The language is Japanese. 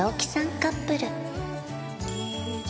カップル